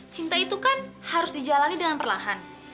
cinta itu kan harus dijalani dengan perlahan